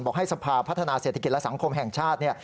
ให้สภาพัฒนาเศรษฐกิจและสังคมแห่งชาติ